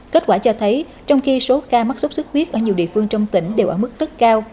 kết quả cho thấy trong khi số ca mắc sốt xuất huyết ở nhiều địa phương trong tỉnh đều ở mức rất cao